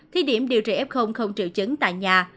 thi điểm điều trị f không triệu chứng tại nhà